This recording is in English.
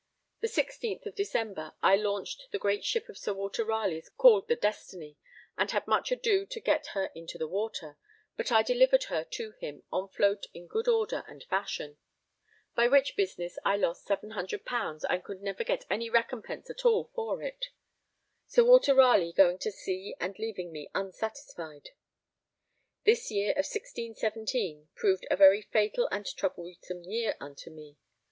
The 16th of December I launched the great ship of Sir Walter Ralegh's called the Destiny, and had much ado to get her into the water, but I delivered her to him on float in good order and fashion; by which business I lost 700_l._ and could never get any recompense at all for it, Sir Walter Ralegh going to sea and leaving me unsatisfied. This year of 1617 proved a very fatal and troublesome year unto me.